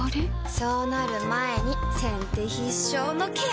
そうなる前に先手必勝のケア！